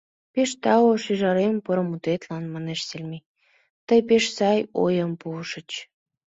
— Пеш тау, шӱжарем, поро мутетлан, — манеш Селмей, — тый пеш сай ойым пуышыч.